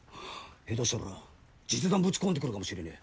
下手したら実弾ぶち込んでくるかもしれねぇ。